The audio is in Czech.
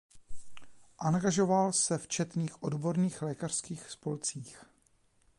Angažoval se v četných odborných lékařských spolcích.